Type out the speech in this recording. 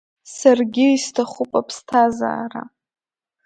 Саргьы исҭахуп аԥсҭазаара…